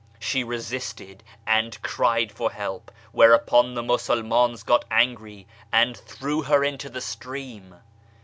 She resisted and cried for helj), whereupon the Musulmans got angry and threw her into the stream.